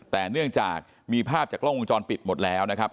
แต่เนื่องจากมีภาพจากกล้องวงจรปิดหมดแล้วนะครับ